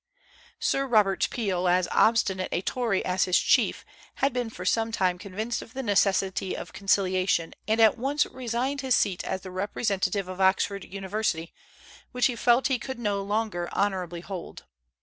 Sir Robert Peel, as obstinate a Tory as his chief, had been for some time convinced of the necessity of conciliation, and at once resigned his seat as the representative of Oxford University, which he felt he could no longer honorably hold.